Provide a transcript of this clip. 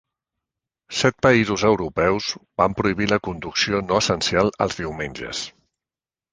Set països europeus van prohibir la conducció no essencial els diumenges.